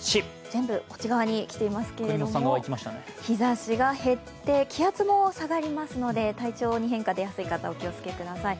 全部、こっち側に来ていますけど日ざしが減って気圧も下がりますので体調に変化出やすい方お気を付けください。